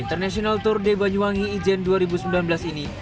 international tour de banyuwangi ijen dua ribu sembilan belas ini